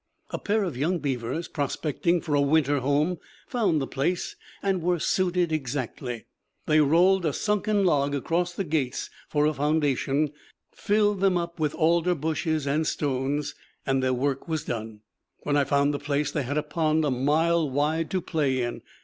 A pair of young beavers, prospecting for a winter home, found the place and were suited exactly. They rolled a sunken log across the gates for a foundation, filled them up with alder bushes and stones, and the work was done. When I found the place they had a pond a mile wide to play in.